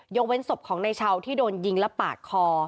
ยกเว้นศพของในเช้าที่โดนยิงและปากคอ